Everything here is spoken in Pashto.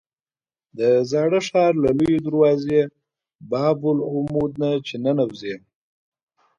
د زاړه ښار له لویې دروازې باب العمود نه چې ننوځې.